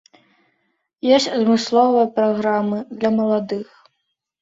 Ёсць адмысловыя праграмы для маладых.